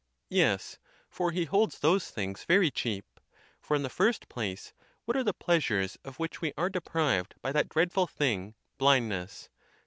Yes; for he holds those things very cheap. For, in the first place, what are the pleasures of which we are deprived by that dreadful thing, blindness?